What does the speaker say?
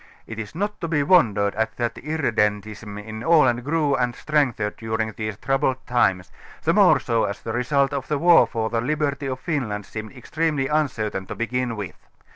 It is not to be wondered at that irredentism in Aland grew and strengthened during these troubled times, the more so as the result of the war for the liberty of Finland seemed extreme h' uncertain to begin with.